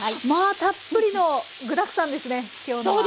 たっぷりの具だくさんですね今日のは。